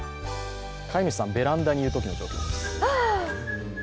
飼い主さん、ベランダにいるときの状況です。